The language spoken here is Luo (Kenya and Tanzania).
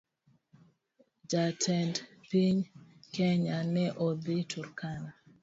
Jatend piny kenya ne odhii Turkana